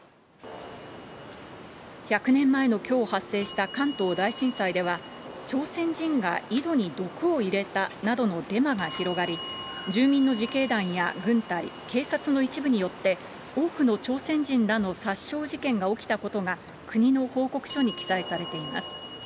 １００年前のきょう発生した関東大震災では、朝鮮人が井戸に毒を入れたなどのデマが広がり、住民の自警団や軍隊、警察の一部によって、多くの朝鮮人らの殺傷事件が起きたことが、国の報告書に記載されています。